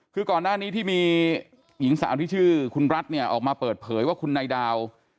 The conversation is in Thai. คือก่อนหน้านี้ที่มีหญิงสาวที่ชื่อคุณรัฐเนี่ยออกมาเปิดเผยว่าคุณนายดาว